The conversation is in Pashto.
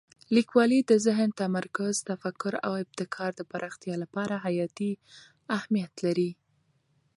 لیکوالی د ذهن تمرکز، تفکر او ابتکار د پراختیا لپاره حیاتي اهمیت لري.